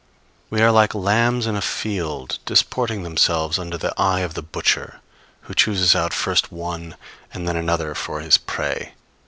We are like lambs in a field, disporting themselves under the eye of the butcher, who chooses out first one and then another for his prey.